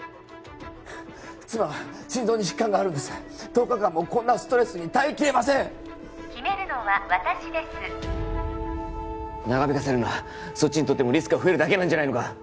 妻は心臓に疾患があるんです１０日間もこんなストレスに耐えきれません決めるのは私です長引かせるのはそっちにとってもリスクが増えるだけなんじゃないのか？